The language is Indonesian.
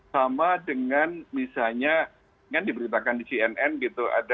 sama dengan misalnya kan diberitakan di cnn gitu